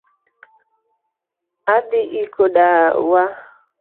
Adhi iko dawa